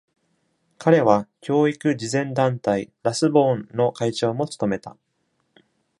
彼は、教育慈善団体「ラスボーン」の会長も務めた。